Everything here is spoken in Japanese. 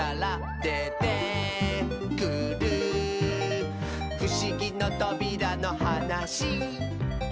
「でてくるふしぎのとびらのはなし」